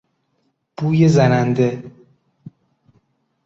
بویزننده